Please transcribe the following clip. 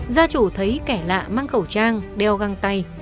gia chủ thấy kẻ lạ mang khẩu trang đeo găng tay